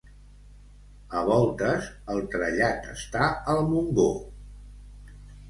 A voltes el trellat està al Montgó.